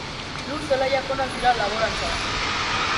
Lur zelaiak onak dira laborantzarako